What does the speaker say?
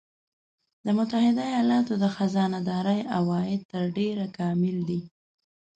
د متحده ایالاتو د خزانه داری عواید تر ډېره کامل دي